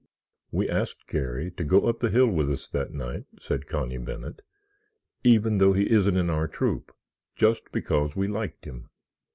"We asked Garry to go up the hill with us that night," said Connie Bennet, "even though he isn't in our troop, just because we liked him."